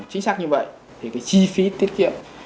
chính xác như vậy thì cái chi phí tiết kiệm